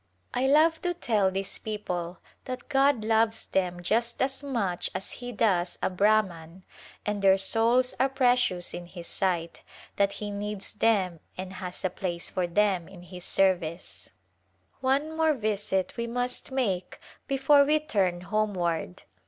I love to tell these people that God loves them just as much as He does a Brahman and their souls are pre cious in His sight ; that He needs them and has a place for them in His service. [io6] As M Saiv It One more visit we must make before we turn home ward.